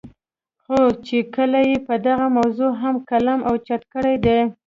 خو چې کله ئې پۀ دغه موضوع هم قلم اوچت کړے دے